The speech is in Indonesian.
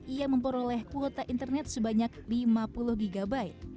ia memperoleh kuota internet sebanyak lima puluh gb